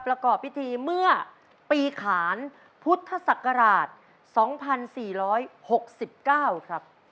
ประกอบพิธีเมื่อปีขานพุทธศักราช๒๔๖๙ครับ